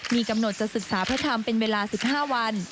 มีกำหนดจะศึกษาพระธรรมเป็นเวลา๑๕วัน